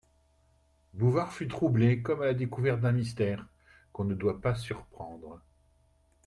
Bouvard fut troublé comme à la découverte d'un mystère, qu'on ne doit pas surprendre.